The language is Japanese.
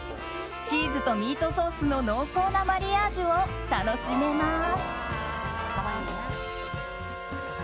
チーズとミートソースの濃厚なマリアージュを楽しめます。